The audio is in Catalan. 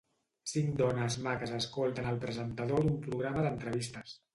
cinc dones maques escolten al presentador d'un programa d'entrevistes.